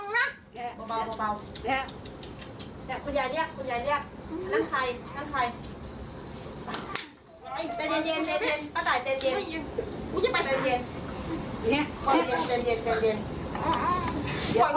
มึงเดี๋ยวแก้วจะฮ่าลก็พูดเยอะน่ะเบาเบาเบาเดี๋ยวจะพูดเยอะน่ะ